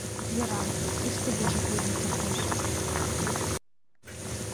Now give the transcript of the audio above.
Йӧра, кеч тыгеже пуэн кертеш.